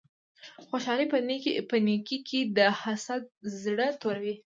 خوشحالی په نیکې کی ده حسد زړه توروی